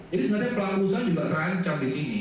jadi sebenarnya pelaku usaha juga terancam di sini